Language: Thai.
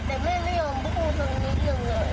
แต่แม่ไม่ยอมพูดตรงนี้เลย